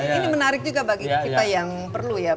ini menarik juga bagi kita yang perlu ya